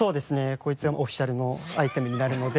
こいつはオフィシャルのアイテムになるので。